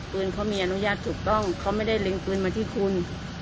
ปืนเขามีอนุญาตถูกต้องเขาไม่ได้เล็งปืนมาที่คุณ